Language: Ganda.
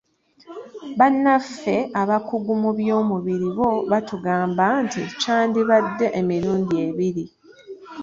Bannaffe abakugu mu by'omubiri bo batugamba nti gyandibadde emirundi ebiri.